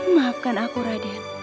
maafkan aku raden